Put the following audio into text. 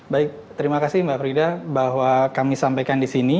baik terima kasih mbak frida bahwa kami sampaikan di sini